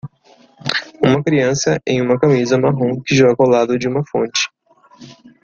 Uma criança em uma camisa marrom que joga ao lado de uma fonte.